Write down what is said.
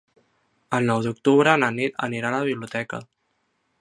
El nou d'octubre na Nit anirà a la biblioteca.